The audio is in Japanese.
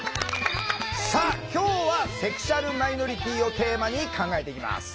さあ今日はセクシュアルマイノリティーをテーマに考えていきます。